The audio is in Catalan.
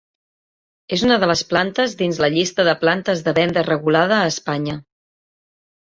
És una de les plantes dins la llista de plantes de venda regulada a Espanya.